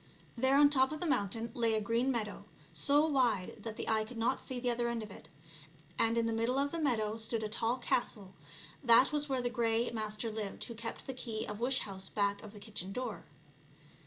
There on the top of the mountain lay a green meadow, so wide that the eye could not see to the other end of it. And in the middle of the meadow stood a tall castle ; that was where the Grey Master lived who kept the key of wish house back of the kitchen door.